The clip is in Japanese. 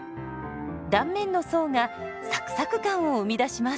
断面の層がサクサク感を生み出します。